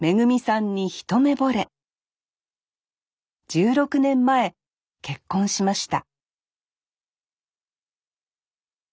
１６年前結婚しました